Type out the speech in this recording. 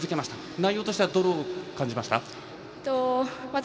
内容としてはどう感じました？